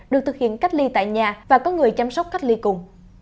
được thực hiện cách ly tại nhà và có người chăm sóc cách ly cùng